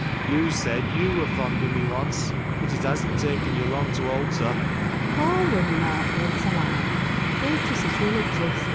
You said you were fond of me once, but it hasn't taken you long to alter. FANNY. All women aren't built alike. Beatrice is religious.